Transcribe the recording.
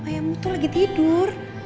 ayahmu tuh lagi tidur